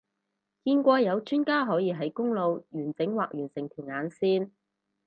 見過有專家可以喺公路完整畫完成條眼線